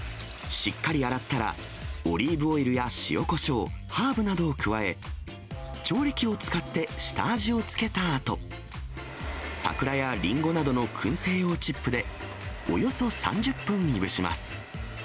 しっかり洗ったら、オリーブオイルや塩、こしょう、ハーブなどを加え、調理器を使って下味をつけたあと、桜やリンゴなどのくん製用チップで、およそ３０分いぶします。